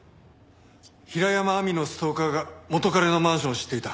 平山亜美のストーカーが元彼のマンションを知っていた。